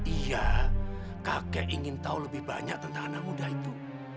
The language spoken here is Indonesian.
iya kakek ingin tahu lebih banyak tentang anak muda itu